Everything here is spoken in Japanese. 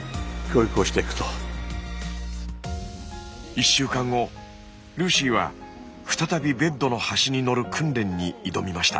１週間後ルーシーは再びベッドの端にのる訓練に挑みました。